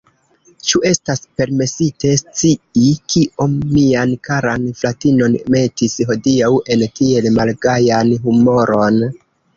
Ĉu estas permesite scii, kio mian karan fratinon metis hodiaŭ en tiel malgajan humoron?